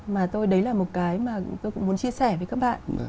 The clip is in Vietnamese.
mà tôi đấy là một cái mà tôi cũng muốn chia sẻ với các bạn